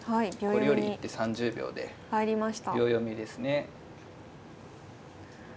これより一手３０秒で秒読みですね。